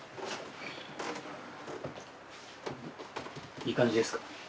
いい感じですか？